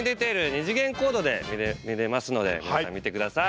２次元コードで見れますので皆さん見て下さい。